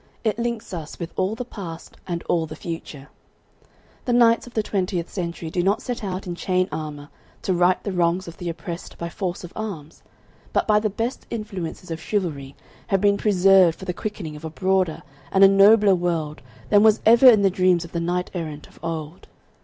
It links us with all the past and all the future. The knights of the twentieth century do not set out in chain armour to right the wrongs of the oppressed by force of arms, but the best influences of chivalry have been preserved for the quickening of a broader and a nobler world than was ever in the dreams of knight errant of old.